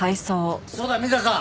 そうだ水田さん。